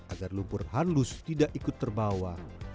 agar lumpur halus tidak ikut terbawa